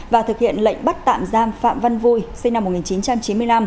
và thực hiện lệnh bắt tạm giam phạm văn vui sinh năm một nghìn chín trăm chín mươi năm